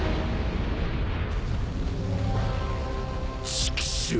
チクショー。